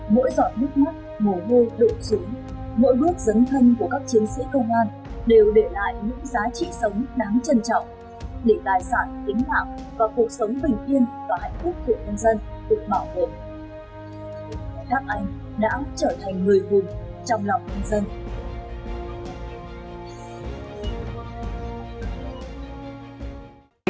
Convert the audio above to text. mỗi giọt nước mắt mồ hôi đổ xuống mỗi bước dấn thân của các chiến sĩ công an đều để lại những giá trị sống đáng trân trọng